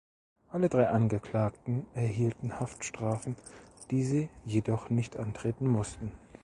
Alle drei Angeklagten erhielten Haftstrafen, die sie jedoch nicht antreten mussten.